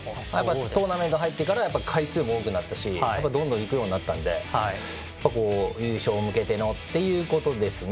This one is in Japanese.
トーナメントに入ってから回数も多くなったしどんどん行くようになったので優勝に向けてのってことですね。